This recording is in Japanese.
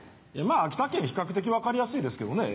まぁ秋田県比較的分かりやすいですけどね。